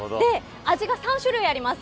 味が３種類あります。